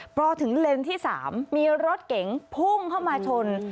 พอถึงเลนส์ที่๓มีรถเก๋งพุ่งเข้ามาชน